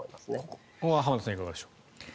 ここは浜田さんいかがでしょう。